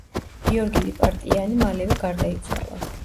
გიორგი ლიპარტიანი მალევე გარდაიცვალა.